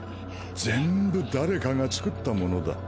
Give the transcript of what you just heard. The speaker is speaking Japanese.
全部誰かが作ったモノだ。